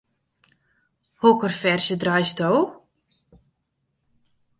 Hokker ferzje draaisto?